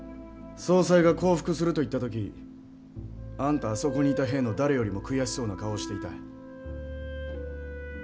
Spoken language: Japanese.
総裁が降伏すると言った時あんたあそこにいた兵の誰よりも悔しそうな顔をしていた。